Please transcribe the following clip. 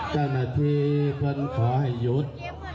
ถ้าหมาดิค้นขอให้หยุด